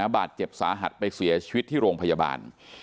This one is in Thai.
บาดเจ็บสาหัสไปเสียชีวิตที่โรงพยาบาล